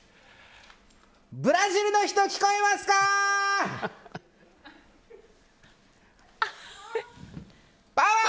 ブラジルの人、聞こえますかー？